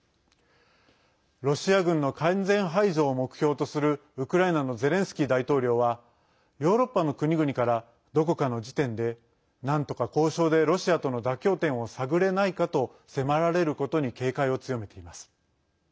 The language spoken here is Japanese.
ロシア軍の完全排除を目標とするウクライナのゼレンスキー大統領はヨーロッパの国々からどこかの時点でなんとか交渉でロシアとの妥協点を探れないかと迫られることに警戒を強めています。